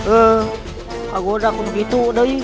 enggak goda kumit itu doi